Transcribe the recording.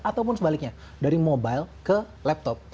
ataupun sebaliknya dari mobile ke laptop